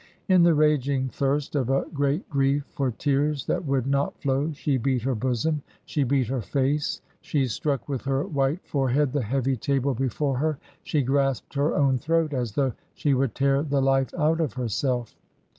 In the raging thirst of a great grief for tears that would not flow she beat her bosom, she beat her face, she struck with her white forehead the heavy table before her, she grasped her own throat, as though she would tear the life out of herself.